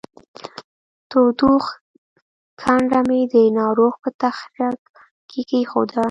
تودوښ کنډه مې د ناروغ په تخرګ کې کېښوده